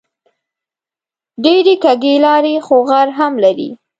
ډېرې کږې لارې خو غر هم لري